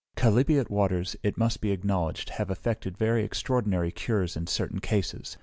Chalybeate waters, it must be acknowledged, have effected very extraordinary cures in certain cases.